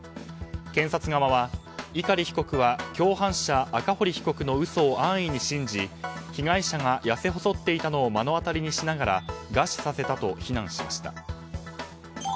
検察側は碇被告は共犯者、赤堀被告の嘘を安易に信じ被害者が痩せ細っていたのを目の当たりにしながら餓死させたと非難しました。